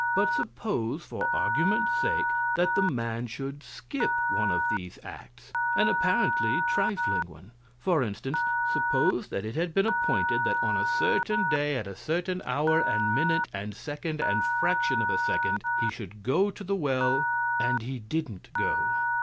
But suppose, for argument's sake, that the man should skip one of these acts; an apparently trifling one, for instance; suppose that it had been appointed that on a certain day, at a certain hour and minute and second and fraction of a second he should go to the well, and he didn't go.